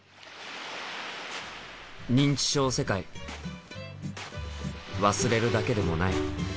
認知症世界忘れるだけでもない。